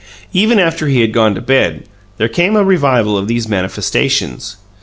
Even after he had gone to bed, there came a revival of these manifestations.